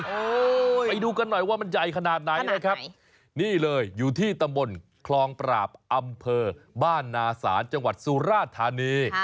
โอ้โหไปดูกันหน่อยว่ามันใหญ่ขนาดไหนนะครับนี่เลยอยู่ที่ตำบลคลองปราบอำเภอบ้านนาศาลจังหวัดสุราธานี